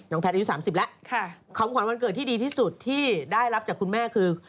แพทย์อายุ๓๐แล้วของขวัญวันเกิดที่ดีที่สุดที่ได้รับจากคุณแม่คือ